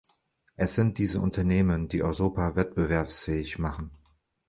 Es sind diese Unternehmen, die Europa wettbewerbsfähig machen.